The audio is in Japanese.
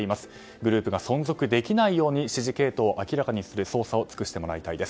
グループが存続できないように指示系統を明らかにする捜査を尽くしてもらいたいです。